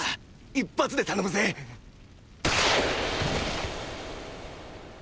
一発で頼むぜッ！